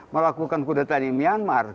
melakukan kudeta di myanmar